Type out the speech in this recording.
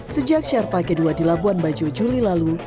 sejak sherpa kedua di labuan bajo juli lalu